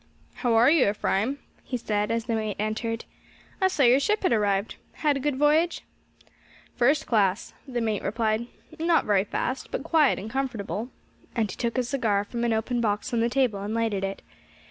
"How are you, Ephraim?" he said, as the mate entered. "I saw your ship had arrived. Had a good voyage?" "First class," the mate replied; "not very fast, but quiet and comfortable," and he took a cigar from an open box on the table and lighted it.